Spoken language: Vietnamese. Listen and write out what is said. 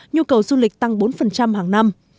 nhu cầu du lịch tăng bốn hàng năm